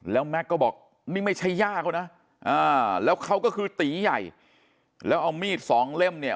แล้วแม็กซ์ก็บอกนี่ไม่ใช่ย่าเขานะแล้วเขาก็คือตีใหญ่แล้วเอามีดสองเล่มเนี่ย